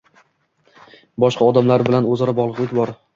Boshqa odamlar bilan o‘zaro bog’liqlik bor.